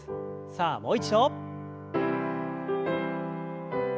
さあもう一度。